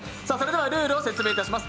ルールを説明します。